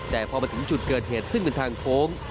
แต่พอมาถึงจุดเกิดเหตุซึ่งเป็นทางโค้ง